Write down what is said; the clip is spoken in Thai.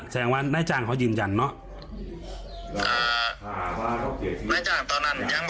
ตอนนั้นยังพอที่ยืนยันก็เลยโทรอีกรอบนึง